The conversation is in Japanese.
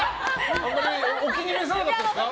お気に召さなかったですか？